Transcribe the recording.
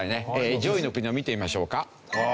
上位の国を見てみましょうか。